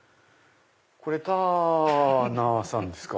これターーーナーさんですか？